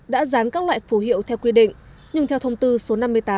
đã dán các loại phù hiệu theo quy định nhưng theo thông tư số năm mươi tám